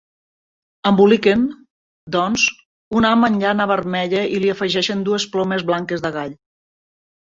Emboliquen, doncs, un ham en llana vermella i li afegeixen dues plomes blanques de gall.